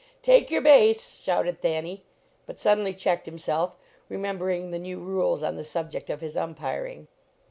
" Take your base!" shouted Thanny, but suddenly checked himself, remembering the new rules on the subject of his umpiring.